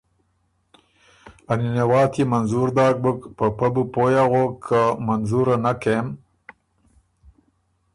آ نِنه واتيې منظور داک بُک، په پۀ بو پوئ اغوک که منظوره نک کوی